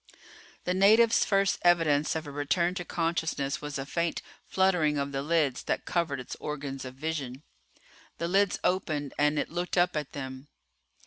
The native's first evidence of a return to consciousness was a faint fluttering of the lids that covered its organs of vision. The lids opened and it looked up at them.